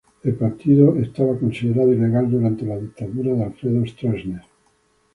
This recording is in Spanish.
El partido era considerado ilegal durante la dictadura de Alfredo Stroessner.